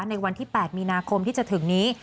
ในวันที่๘มีนาคมที่จะถึงนี้